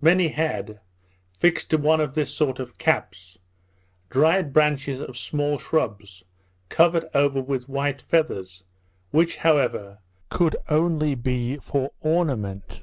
Many had, fixed to one of this sort of caps, dried branches of small shrubs covered over with white feathers, which, however, could only be for ornament.